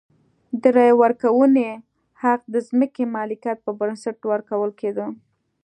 د رایې ورکونې حق د ځمکې مالکیت پر بنسټ ورکول کېده.